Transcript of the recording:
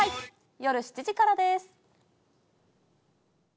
夜７時からです。